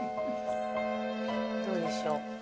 どうでしょうか。